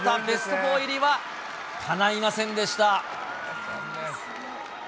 ベスト４入りはかないませんでした。